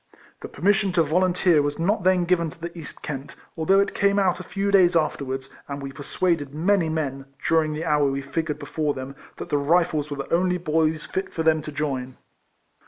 The permission to volunteer was not then given to the East Kent, although it came out a few days afterwards, and we persuaded many men, during the hour we figured before them, that the Rifles were the only boys fit for them to join.